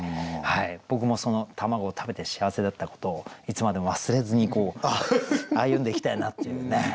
僕も卵を食べて幸せだったことをいつまでも忘れずに歩んでいきたいなっていうね。